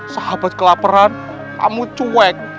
sahabat kelaperan kamu cuek